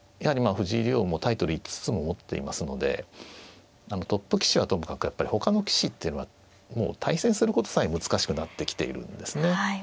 藤井竜王もうタイトル５つも持っていますのでトップ棋士はともかくやっぱりほかの棋士っていうのはもう対戦することさえ難しくなってきているんですね。